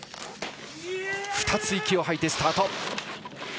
息を吐いて、スタート。